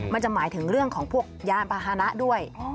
มันจะหมายถึงเรื่องของพวกยานพาหนะด้วย